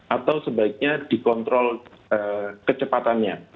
atau sebaiknya dikontrol kecepatannya